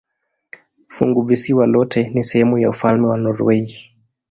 Funguvisiwa lote ni sehemu ya ufalme wa Norwei.